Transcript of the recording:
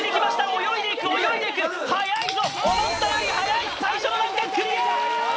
泳いでいく泳いでいくはやいぞ思ったよりはやい最初の難関クリア！